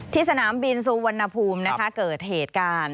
ที่สนามบินซูวันนภูมิเกิดเหตุการณ์